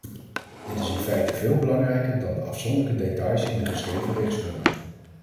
Dit is in feite veel belangrijker dan de afzonderlijke details in de geschreven richtsnoeren.